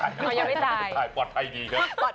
ไม่ไม่ไม่ไม่ไม่ไม่ไม่ไม่ไม่ไม่ไม่ไม่ไม่ไม่ไม่ไม่